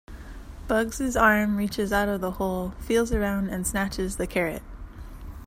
Bugs' arm reaches out of the hole, feels around, and snatches the carrot.